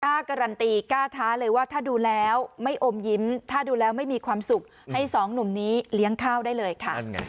การันตีกล้าท้าเลยว่าถ้าดูแล้วไม่อมยิ้มถ้าดูแล้วไม่มีความสุขให้สองหนุ่มนี้เลี้ยงข้าวได้เลยค่ะ